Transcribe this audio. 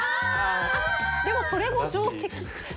でもそれも定石。